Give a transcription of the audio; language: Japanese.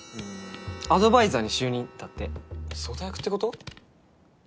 「アドバイザーに就任」だって相談役ってこと？